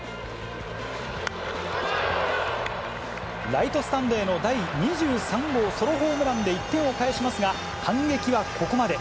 ライトスタンドへの第２３号ソロホームランで１点を返しますが、反撃はここまで。